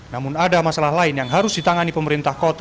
namun ada masalah lain yang harus ditangani pemerintah kota